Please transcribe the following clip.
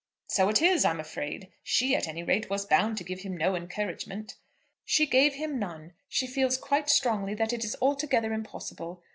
"So it is, I'm afraid. She at any rate was bound to give him no encouragement." "She gave him none. She feels quite strongly that it is altogether impossible.